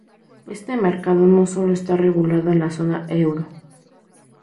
Este mercado no solo está regulado en la zona euro.